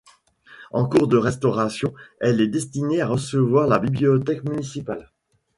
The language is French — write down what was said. En cours de restauration, elle est destinée à recevoir la Bibliothèque municipale.